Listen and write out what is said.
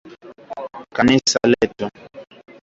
Kanisa letu.